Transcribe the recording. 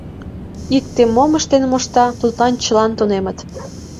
Икте мом ыштен мошта, тудлан чылан тунемыт.